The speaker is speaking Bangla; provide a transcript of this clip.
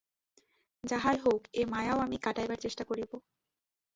যাহাই হউক, এ মায়াও আমি কাটাইবার চেষ্টা করিব।